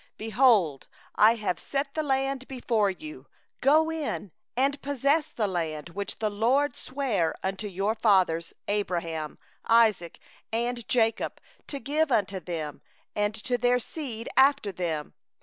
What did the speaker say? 8Behold, I have set the land before you: go in and possess the land which the LORD swore unto your fathers, to Abraham, to Isaac, and to Jacob, to give unto them and to their seed after them.